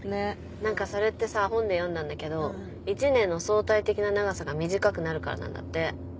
それってさ本で読んだんだけど１年の相対的な長さが短くなるからなんだって。